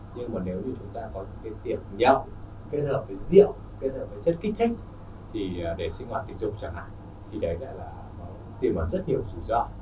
nhưng mà nếu như chúng ta có những cái tiệm nhậu kết hợp với rượu kết hợp với chất kích thích thì để sinh hoạt tình dục chẳng hạn thì đấy là một tiềm hoạt rất nhiều sự do